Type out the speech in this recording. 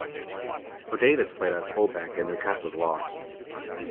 O'Davis played at fullback in Newcastle's loss.